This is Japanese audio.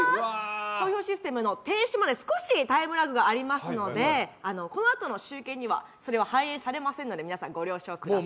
投票システムの停止まで少しタイムラグがありますのでこのあとの集計には、それは反映されませんのでご了承ください。